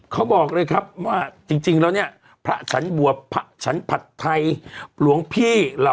เขาบอกเลยครับว่าจริงแล้วรวมพี่